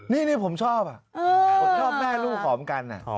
นี่ผมชอบชอบแม่ลูกขอพรคุณแม่